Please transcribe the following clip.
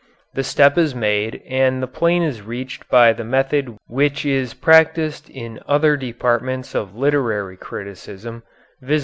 The step is made and the plane is reached by the method which is practised in other departments of literary criticism, viz.